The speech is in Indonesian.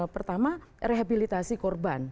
pertama rehabilitasi korban